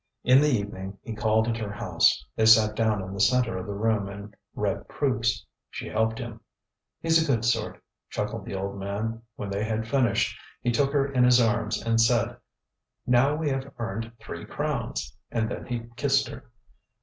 In the evening he called at her house; they sat down in the centre of the room and read proofs; she helped him. ŌĆ£HeŌĆÖs a good sort, ŌĆØ chuckled the old man. When they had finished, he took her in his arms and said: ŌĆ£Now we have earned three crowns, ŌĆØ and then he kissed her.